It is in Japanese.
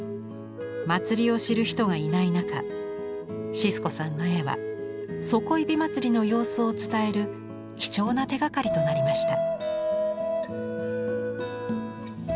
祭りを知る人がいない中シスコさんの絵は底井まつりの様子を伝える貴重な手がかりとなりました。